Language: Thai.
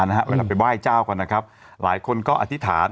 เวลาไปไหว้เจ้ากันนะครับหลายคนก็อธิษฐาน